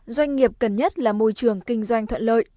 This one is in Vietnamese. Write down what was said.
doanh nghiệp cần nhất là môi trường kinh doanh thuận lợi